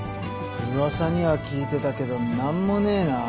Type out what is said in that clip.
噂には聞いてたけど何もねえな。